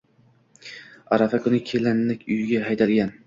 Arafa kuni kelinni uyiga haydalgan.